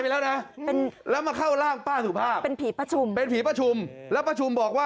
คิดถึงแต่โทรหาวะ